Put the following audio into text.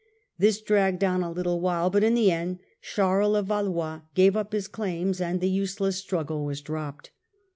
This dragged on a httle while, but in the end Charles of Valois gave up his claims, and the useless struggle was dropped.